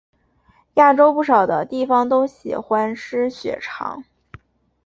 亚洲不少地方的人都喜欢吃血肠。